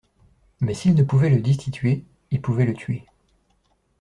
Mais, s'il ne pouvait le destituer, il pouvait le tuer.